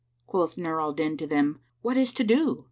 Quoth Nur al Din to them, "What is to do?"